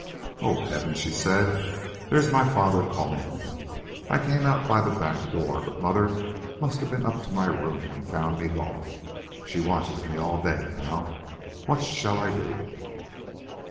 "Oh! heavens!" she said, "there is my father calling me. I came out by the back door, but mother must have been up to my room and found me gone. She watches me all day now. What shall I do?"